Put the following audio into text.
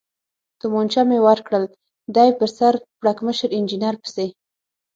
تومانچه مې ورکړل، دی په سر پړکمشر انجنیر پسې.